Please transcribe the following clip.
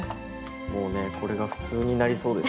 もうねこれが普通になりそうですよ。